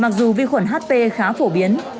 mặc dù vi khuẩn hp khá phổ biến